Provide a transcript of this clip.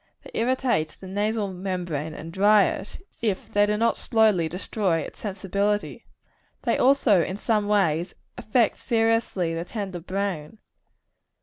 They irritate the nasal membrane, and dry it, if they do not slowly destroy its sensibility. They also, in some way, affect seriously the tender brain.